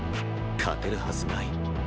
勝てるはずない。